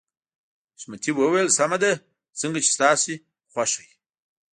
حشمتي وويل سمه ده څنګه چې ستاسو خوښه وي.